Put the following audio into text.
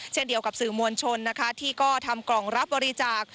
เช่นเดียวกับสื่อมวลชนนะคะที่ก็ทำกล่องรับบริจาค